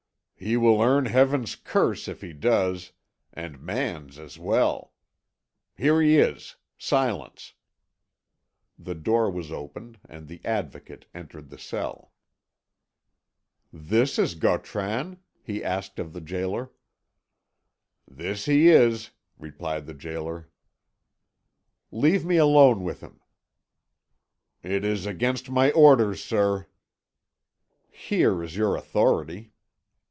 "He will earn Heaven's curse if he does, and man's as well. Here he is. Silence." The door was opened, and the Advocate entered the cell. "This is Gautran?" he asked of the gaoler. "This is he," replied the gaoler. "Leave me alone with him." "It is against my orders, sir." "Here is your authority."